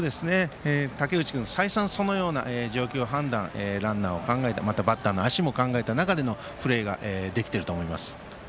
竹内君、再三そのような状況判断ランナーを考えてまた、バッターの足を考えてのプレーができていると思います。